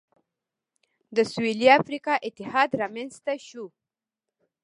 د سوېلي افریقا اتحاد رامنځته شو.